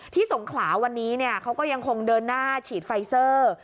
สงขลาวันนี้เขาก็ยังคงเดินหน้าฉีดไฟเซอร์